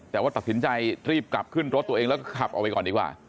แต่ว่าตัดสินใจรีบกลับขึ้นรถตัวเองแล้วก็ขับออกไปก่อนดีกว่า